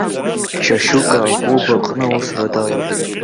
Шьашьука аклуб аҟны аусура далагеит.